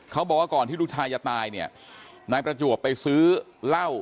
เขาบอกว่าก่อนที่ลูกชายจะตายเนี่ยนายประจวบไปซื้อเหล้า